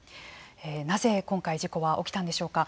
なぜ、今回事故は起きたんでしょうか。